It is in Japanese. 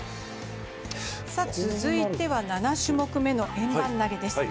続いては７種目めの円盤投です。